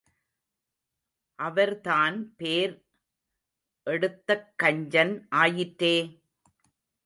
அவர்தான் பேர் எடுத்தக் கஞ்சன் ஆயிற்றே!